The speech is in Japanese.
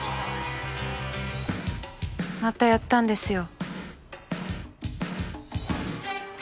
またやったんですよ。